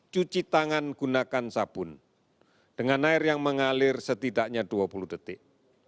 cuci tangan gunakan sabun dengan air yang mengalir setidaknya dua puluh detik